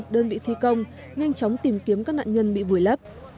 đơn vị thi công nhanh chóng tìm kiếm các nạn nhân bị vùi lấp